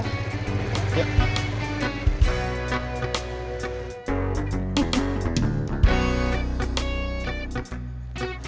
gua masih belum segah